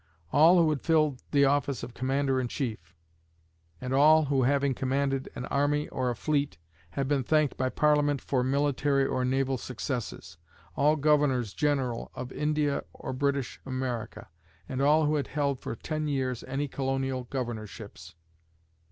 All who had filled the office of commander in chief; and all who, having commanded an army or a fleet, had been thanked by Parliament for military or naval successes. All governors general of India or British America, and all who had held for ten years any colonial governorships.